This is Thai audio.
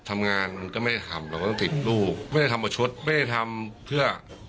มันก็ไม่ได้ทำเราก็ต้องติดลูกไม่ได้ทำประชดไม่ได้ทำเพื่อ